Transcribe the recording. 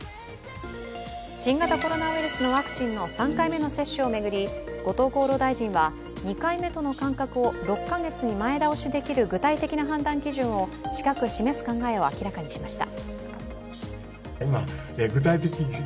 新型コロナウイルスのワクチンの３回目の接種を巡り後藤厚労大臣は２回目との間隔を６カ月に前倒しできる具体的な判断基準を近く示す考えを明らかにしました。